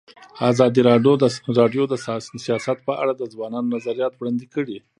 ازادي راډیو د سیاست په اړه د ځوانانو نظریات وړاندې کړي.